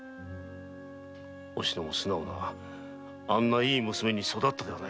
おしのも素直なあんないい娘に育ったではないか。